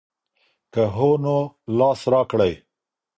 که هو نو لاس راکړئ.